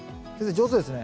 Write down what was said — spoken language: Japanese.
上手ですね。